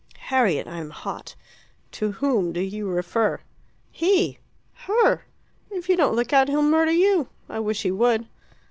"Harriet, I am hot. To whom do you refer?" "He. Her. If you don't look out he'll murder you. I wish he would."